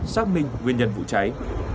xác minh nguyên nhân vụ cháy